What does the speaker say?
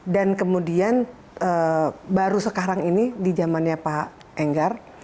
dan kemudian baru sekarang ini di zamannya pak enggar